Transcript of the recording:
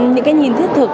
những cái nhìn thức thực